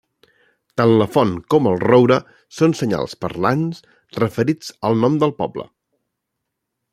Tant la font com el roure són senyals parlants referits al nom del poble.